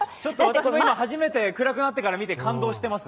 ちょっと私も今初めて暗くなってから見て感動しています。